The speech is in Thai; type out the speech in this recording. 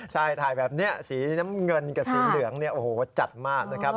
ใช่ถ่ายแบบนี้สีน้ำเงินกับสีเหลืองเนี่ยโอ้โหจัดมากนะครับ